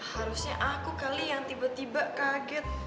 harusnya aku kali yang tiba tiba kaget